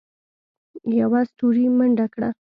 یوه ستوري منډه کړه.